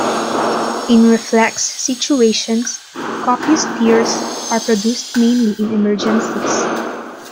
In reflex situations, copious tears are produced mainly in emergencies.